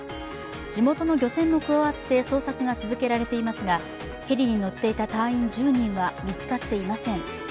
地元の漁船も加わって捜索が続けられていますがヘリに乗っていた隊員１０人は見つかっていません。